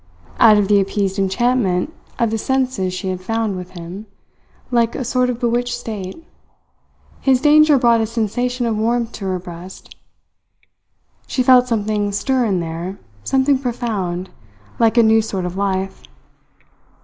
Out of the appeased enchantment of the senses she had found with him, like a sort of bewitched state, his danger brought a sensation of warmth to her breast. She felt something stir in there, something profound, like a new sort of life.